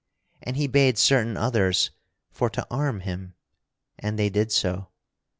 And he bade certain others for to arm him, and they did so.